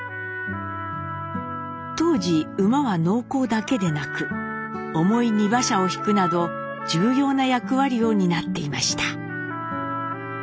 当時馬は農耕だけでなく重い荷馬車を引くなど重要な役割を担っていました。